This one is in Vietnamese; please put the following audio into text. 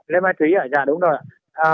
lê mai thúy ạ dạ đúng rồi ạ